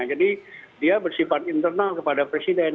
jadi dia bersifat internal kepada presiden